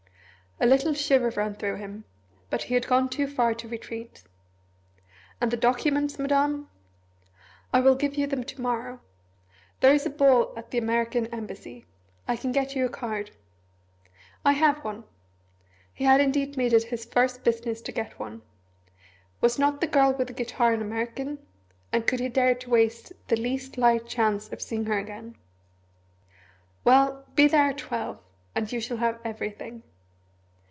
A little shiver ran through him. But he had gone too far to retreat. "And the documents, Madame?" "I will give you them to morrow. There is a ball at the American Embassy. I can get you a card." "I have one." He had indeed made it his first business to get one was not the Girl with the Guitar an American, and could he dare to waste the least light chance of seeing her again? "Well be there at twelve, and you shall have everything.